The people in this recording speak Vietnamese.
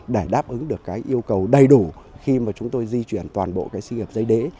để đáp ứng được yêu cầu đầy đủ khi mà chúng tôi di chuyển toàn bộ xây dây đế